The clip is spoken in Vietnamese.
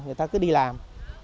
người ta cứ đi làm